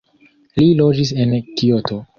Li loĝis en Kioto.